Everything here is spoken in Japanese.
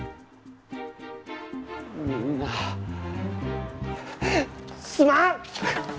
みんなすまん！